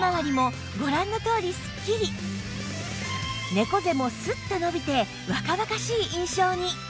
猫背もスッと伸びて若々しい印象に